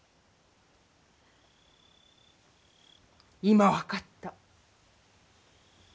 今分かった。